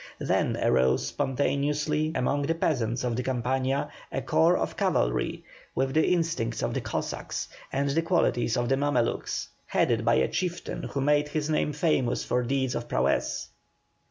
Then arose spontaneously among the peasants of the campaña, a corps of cavalry, with the instincts of the Cossacks, and the qualities of the Mamelukes, headed by a chieftain who made his name famous for deeds of prowess.